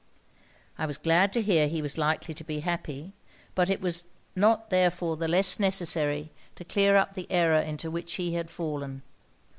I was glad to hear he was likely to be happy; but it was not therefore the less necessary to clear up the error into which he had fallen.